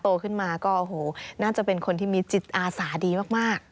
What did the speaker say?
โตขึ้นมาก็โอ้โหน่าจะเป็นคนที่มีจิตอาสาดีมาก